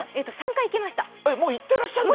３回行けました。